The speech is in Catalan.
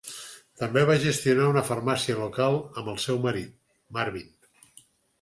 També va gestionar una farmàcia local amb el seu marit, Marvin.